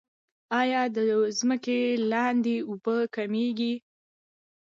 آیا د ځمکې لاندې اوبه کمیږي؟